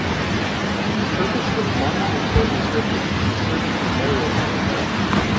The purpose of monumental inscriptions is to serve as memorials to the dead.